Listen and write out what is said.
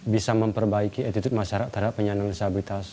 bisa memperbaiki attitude masyarakat terhadap penyandang disabilitas